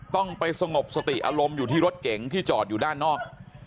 ต้องไปสงบสติอารมณ์อยู่ที่รถเก๋งที่จอดอยู่ด้านนอก